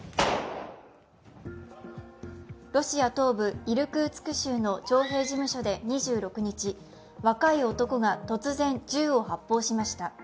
ロシア東部イルクーツク州の徴兵事務所で２６日、若い男が突然、銃を発砲しました。